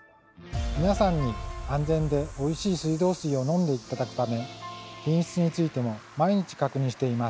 皆さんに安全でおいしい水道水を飲んで頂くため品質についても毎日確認しています。